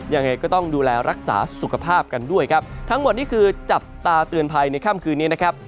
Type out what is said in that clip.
ยังไงก็ต้องดูแลรักษาสุขภาพกันด้วยครับทั้งหมดนี่คือจับตาเตือนภัยในค่ำคืนนี้นะครับ